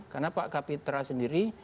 karena pak kapitra sendiri